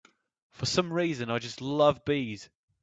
For some reason I just love bees.